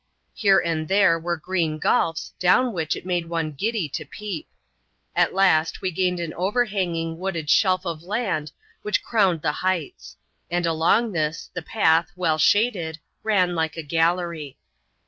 Here and there were green gulfs, down which it made one giddy to peep. At last we gained an overhanging, wooded shelf of land which crowned the heights ; and along this, the path, well shaded, ran like a gallery.